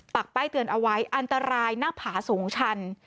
ป้ายเตือนเอาไว้อันตรายหน้าผาสูงชัน